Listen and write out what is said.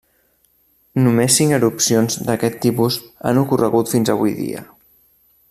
Només cinc erupcions d'aquest tipus han ocorregut fins avui dia.